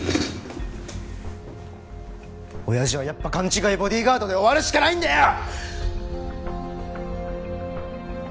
親父はやっぱ勘違いボディーガードで終わるしかないんだよ！